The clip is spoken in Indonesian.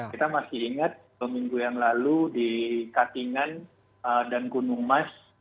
kita masih ingat dua minggu yang lalu di katingan dan gunung mas